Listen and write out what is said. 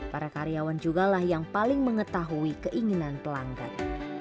para karyawan juga lah yang paling mengetahui keinginan pelanggan